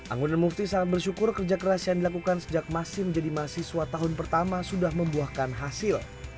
anggun dan mufti sangat bersyukur kerja keras yang dilakukan sejak masih menjadi mahasiswa tahun pertama sudah membuahkan hasil